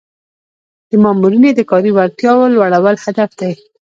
د مامورینو د کاري وړتیاوو لوړول هدف دی.